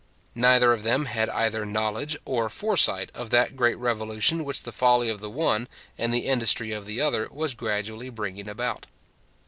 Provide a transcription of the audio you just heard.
Neither of them had either knowledge or foresight of that great revolution which the folly of the one, and the industry of the other, was gradually bringing about.